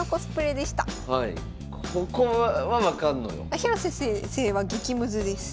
広瀬先生は激ムズです。